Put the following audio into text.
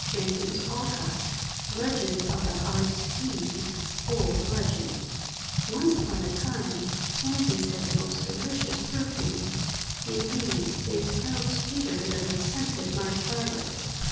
Beats (Adapted) LEGEND OF THE HEART'S EASE Old Legend ONCE upon a time, Pansies had the most delicious perfume. Indeed, they smelled sweeter than the scented March Violets.